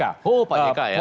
oh pak jk ya